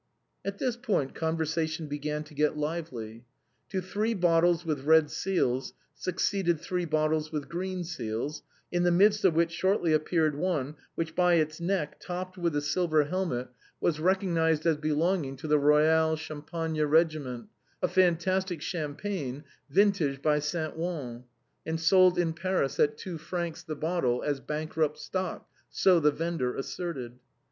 At this point conversation began to get lively. To three bottles with red seals succeeded three bottles with green seals, in the midst of which shortly appeared one which by its neck topped with a silver helmet, was recognized as belonging to the Royal Champagne Regiment — a fantastic champagne vintaged at Saint Ouen, and sold in Paris at two francs the bottle as bankrupt stock, so the vender asserted.